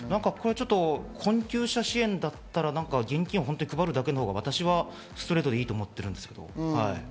困窮者支援だったら現金を配るだけのほうがストレートでいいと僕は思ってるんです。